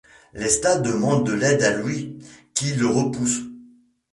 Lestat demande de l'aide à Louis, qui le repousse.